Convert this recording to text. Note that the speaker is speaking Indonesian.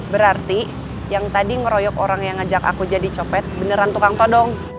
berarti yang tadi ngeroyok orang yang ngajak aku jadi copet beneran tukang todong